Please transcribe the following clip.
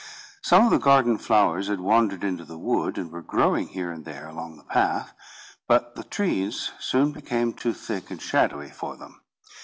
Some of the garden flowers had wandered into the wood, and were growing here and there along the path, but the trees soon became too thick and shadowy for them.